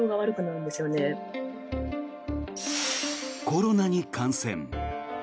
コロナに感染。